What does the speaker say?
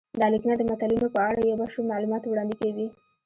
دا لیکنه د متلونو په اړه یو بشپړ معلومات وړاندې کوي